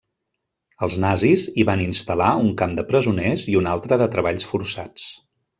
Els nazis hi van instal·lar un camp de presoners i un altre de treballs forçats.